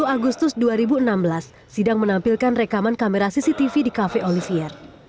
dua puluh agustus dua ribu enam belas sidang menampilkan rekaman kamera cctv di cafe olivier